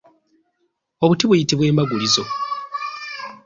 Obuti buyitibwa embagulizo.